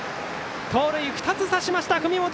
盗塁２つ刺しました、文元。